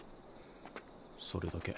それだけ。